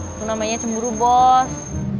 itu namanya cemburu bos